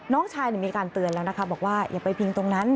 น้องชายมีการเตือนแล้วนะคะบอกว่าอย่าไปพิงตรงนั้น